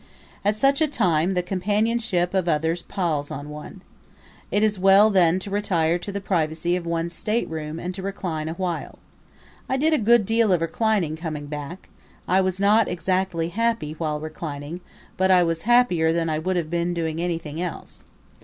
At such a time, the companionship of others palls on one. It is well then to retire to the privacy of one's stateroom and recline awhile. I did a good deal of reclining, coming back; I was not exactly happy while reclining, but I was happier than I would have been doing anything else.